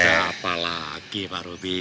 ada apa lagi pak rubi